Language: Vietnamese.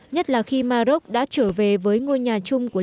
nhất là khi maroc đã trở về với ngôi nhà chung của liên hợp quốc